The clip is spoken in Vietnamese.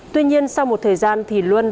tuy nhiên sau một thời gian thì luân